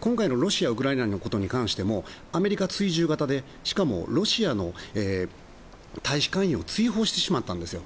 今回のロシアウクライナのことに関してもアメリカ追従型でしかもロシアの大使館員を追放してしまったんですよ。